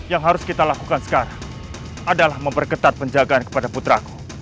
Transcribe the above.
yang harus kita lakukan sekarang adalah memperketat penjagaan kepada putraku